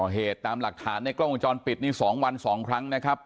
เหตุตามหลักฐานในกล้องวงจรปิดนี่๒วัน๒ครั้งนะครับ